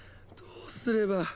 どうすれば。